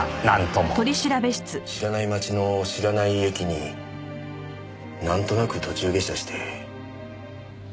知らない町の知らない駅になんとなく途中下車して。